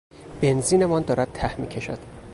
بنزینمان دارد ته میکشد.